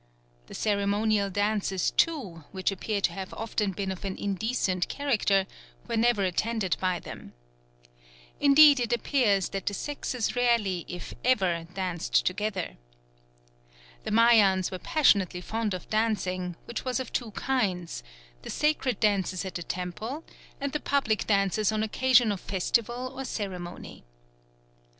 The ceremonial dances, too, which appear to have often been of an indecent character, were never attended by them. Indeed it appears that the sexes rarely if ever danced together. The Mayans were passionately fond of dancing, which was of two kinds: the sacred dances at the temples and the public dances on occasions of festival or ceremony.